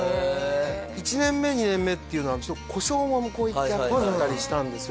１年目２年目っていうのはちょっと故障も向こう行ってあったりしたんですよ